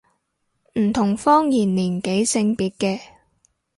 唔同方言年紀性別嘅